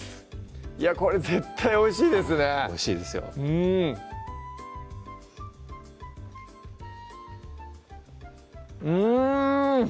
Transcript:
いやこれ絶対おいしいですねおいしいですようん！